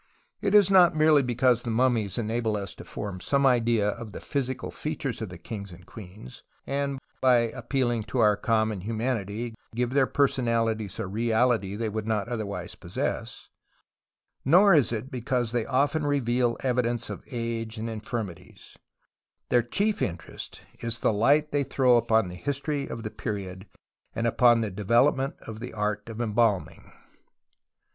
It is not merely because the mummies enable us to form some idea of the physical features of the kings and queens, and by appealing to our common humanity give their personalities a reality they would not other wise possess ; nor is it because they often reveal evidence of age and infirmities ; their chief interest is the light they throw on the history of the period and upon the develop ment of the art of embalming.